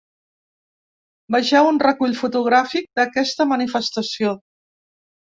Vegeu un recull fotogràfic d’aquesta manifestació.